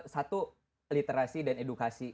satu literasi dan edukasi